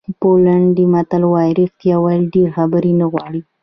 پولنډي متل وایي رښتیا ویل ډېرې خبرې نه غواړي.